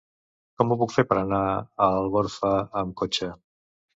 Com ho puc fer per anar a Algorfa amb cotxe?